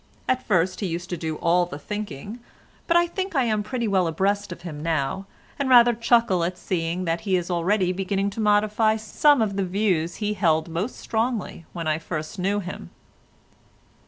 At first he used to do all the thinking, but I think I am pretty well abreast of him now, and rather chuckle at seeing that he is already beginning to modify some of the views he held most strongly when I first knew him.